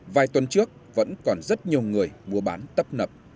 vài tuần trước vẫn còn rất nhiều người mua bán tấp nập